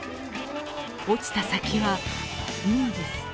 落ちた先は海です。